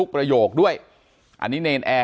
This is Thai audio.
การแก้เคล็ดบางอย่างแค่นั้นเอง